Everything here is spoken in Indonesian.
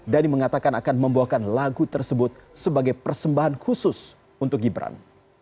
dhani mengatakan akan membawakan lagu tersebut sebagai persembahan khusus untuk gibran